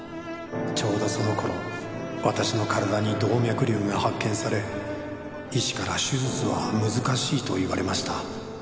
「ちょうどその頃私の体に動脈瘤が発見され医師から手術は難しいと言われました」